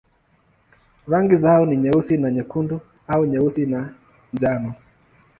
Rangi zao ni nyeusi na nyekundu au nyeusi na njano.